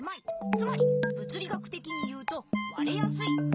つまり物理学てきに言うとわれやすい。